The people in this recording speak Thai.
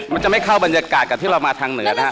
มันจะไม่เข้าบรรยากาศกับที่เรามาทางเหนือนะครับ